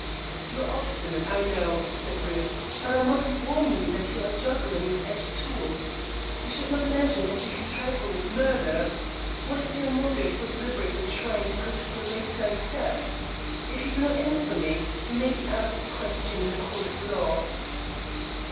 "You are obstinate, I know," said Bruce, "but I must warn you that you are juggling with edged tools. You should not imagine that you can trifle with murder. What is your motive for deliberately trying to conceal Lady Dyke's death? If you do not answer me you may be asked the question in a court of law."